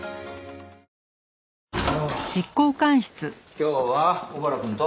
今日は小原くんと？